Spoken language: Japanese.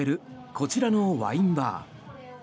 こちらのワインバー。